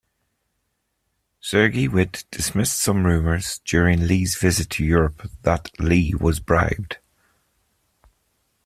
Sergei Witte dismissed some rumours during Li's visit to Europe that Li was bribed.